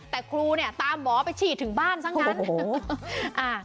แต่ครูตามหมอไปฉีดถึงบ้านซังครั้ง